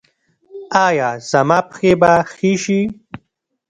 ایا زما پښې به ښې شي؟